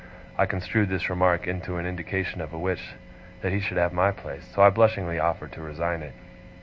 I construed this remark into an indication of a wish that he should have my place, so I blushingly offered to resign it.